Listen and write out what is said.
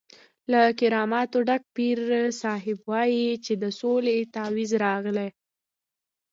له کراماتو ډک پیر صاحب وایي چې د سولې تعویض راغلی.